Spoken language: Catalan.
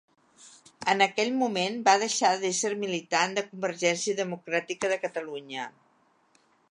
En aquell moment va deixar d'ésser militant de Convergència Democràtica de Catalunya.